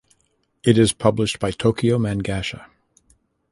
It is published by Tokyo Mangasha.